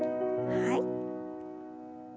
はい。